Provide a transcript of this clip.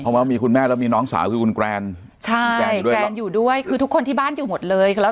เพราะว่ามีคุณแม่แล้วมีน้องสาวคือคุณแกรนใช่ด้วยแกรนอยู่ด้วยคือทุกคนที่บ้านอยู่หมดเลยแล้ว